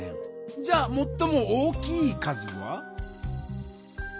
じゃあもっとも大きい数は？